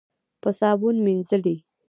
په صابون مینځلې.